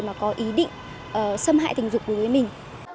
mà có ý định xâm hại tình dục đối với mình